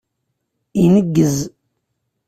Ineggez.